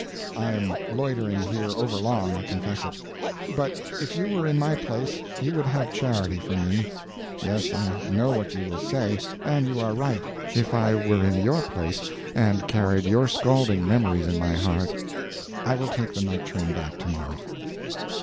I am loitering here overlong, I confess it. But if you were in my place you would have charity for me. Yes, I know what you will say, and you are right: if I were in your place, and carried your scalding memories in my heart I will take the night train back to morrow.